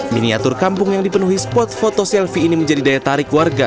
miniatur kampung yang dipenuhi spot foto selfie ini menjadi daya tarik warga